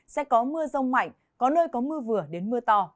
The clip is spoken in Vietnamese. sẽ có mưa rông mạnh có nơi có mưa vừa đến mưa to